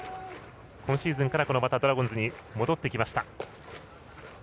今シーズンからドラゴンズに戻ってきました。